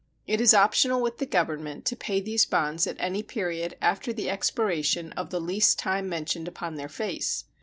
It is optional with the Government to pay these bonds at any period after the expiration of the least time mentioned upon their face.